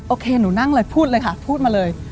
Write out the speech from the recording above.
โอเคหนูนั่งเลยพูดเลยค่ะพูดมาเลย